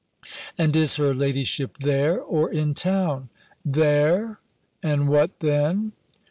"And is her ladyship there, or in town?" "There and what then?"